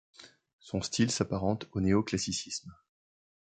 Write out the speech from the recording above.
Son style s'apparente au néo-classicisme.